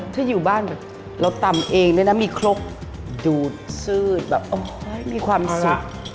ถ้าอยู่บ้านแบบเราตำเองด้วยนะมีครกดูดซืดแบบมีความสุข